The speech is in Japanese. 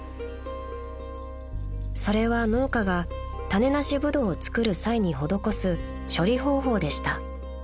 ［それは農家が種なしブドウをつくる際に施す処理方法でした］